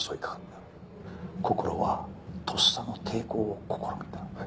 こころはとっさの抵抗を試みた。